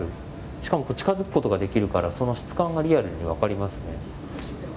しかも近づくことができるから、その質感がリアルに分かりますね。